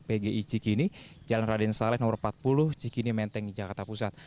pgi cikini jalan raden saleh nomor empat puluh cikini menteng jakarta pusat